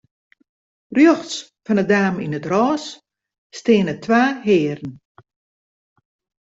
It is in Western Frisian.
Rjochts fan 'e dame yn it rôs steane twa hearen.